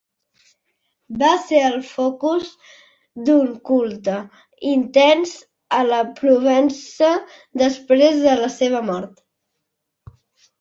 Va ser el focus d'un culte intens a la Provença després de la seva mort.